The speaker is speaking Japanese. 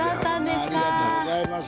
ありがとうございます。